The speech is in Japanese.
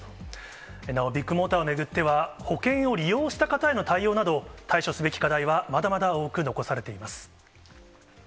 なお、ビッグモーターを巡っては、保険を利用した方への対応など、対処すべき課題はまだまだ多く残されています。